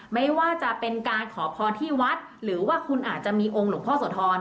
ไม่ว่าจะเป็นการขอพรที่วัดหรือว่าคุณอาจจะมีองค์หลวงพ่อโสธร